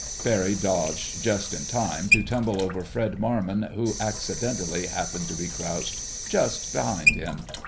Barry dodged, just in time to tumble over Fred Marmon who "accidentally" happened to be crouched just behind him.